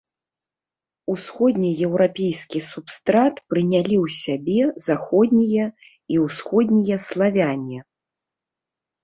Усходнееўрапейскі субстрат прынялі ў сябе заходнія і ўсходнія славяне.